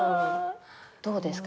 どうですか？